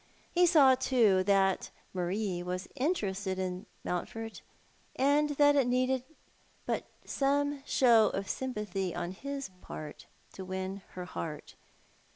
He saw, too, that Marie was interested in Mountford, and that it needed but some show of sympathy on bis part to win her heart.